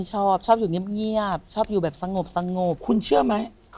จริงเหรอ